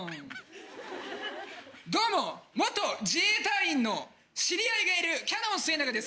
どうも自衛隊員の知り合いがいるキャノンすえながです